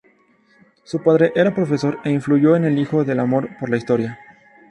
Su padre era profesor e influyó en el hijo el amor por la historia.